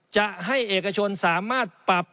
จะให้เอกชนสามารถปรับ